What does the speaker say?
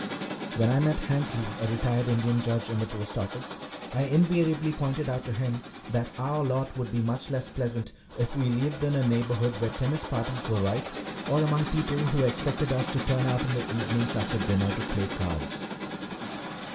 When I met Hankly, a retired Indian judge, in the post office I invariably pointed out to him that our lot would be much less pleasant if we lived in a neighbourhood where tennis parties were rife or among people who expected us to turn out in the evenings after dinner to play cards.